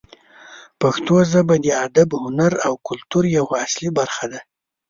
پښتو ژبه د ادب، هنر او کلتور یوه اصلي برخه ده.